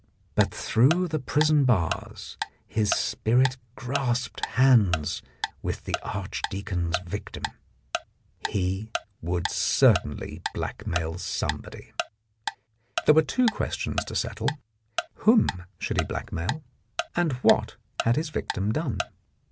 But through the prison bars his spirit grasped hands with the archdeacon's victim. He would certainly blackmail somebody. 38 The Blackmailer of Park Lane There were two questions to settle. Whom should he blackmail, and what had his victim done?